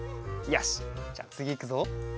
よしじゃつぎいくぞ。